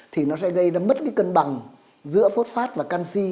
thì nó sẽ gây ra mất cái cân bằng giữa phốt phát và canxi